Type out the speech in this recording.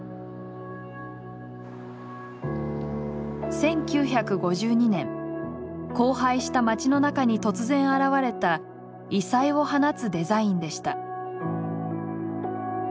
１９５２年荒廃した街の中に突然現れた異彩を放つデザインでした。